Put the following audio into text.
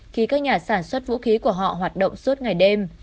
khi các nhà sản xuất vũ khí của họ hoạt động suốt ngày đêm